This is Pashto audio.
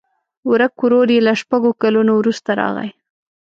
ورک ورور یې له شپږو کلونو وروسته راغی.